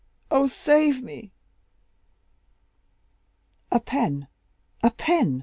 Oh, save me!" "A pen, a pen!"